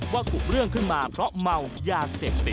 กุเรื่องขึ้นมาเพราะเมายาเสพติด